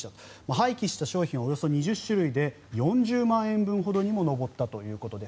廃棄した商品はおよそ２０種類で４０万円分にも上ったということです。